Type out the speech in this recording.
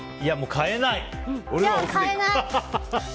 変えない。